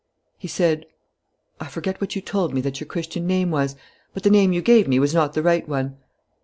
He said: "I forget what you told me that your Christian name was. But the name you gave me was not the right one."